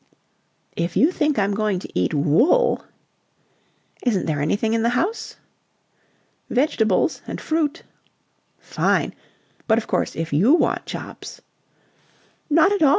"If you think I'm going to eat wool..." "Isn't there anything in the house?" "Vegetables and fruit." "Fine! But, of course, if you want chops..." "Not at all.